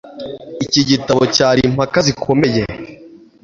Iki gitabo cyari impaka zikomeye